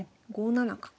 ５七角。